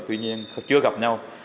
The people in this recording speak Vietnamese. tuy nhiên chưa gặp nhau